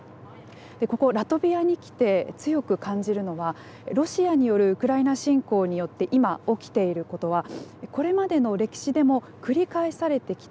ここラトビアに来て強く感じるのはロシアによるウクライナ侵攻によって今起きていることはこれまでの歴史でも繰り返されてきたこと。